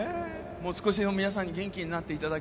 少しでも皆さんに元気になっていただ